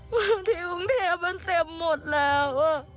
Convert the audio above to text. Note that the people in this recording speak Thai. ประธิบังเทพมันเต็มหมดแล้ว